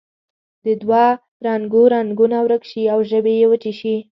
د دوه رنګو رنګونه ورک شي او ژبې یې وچې شي.